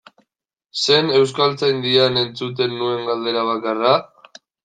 Zen Euskaltzaindian entzuten nuen galdera bakarra?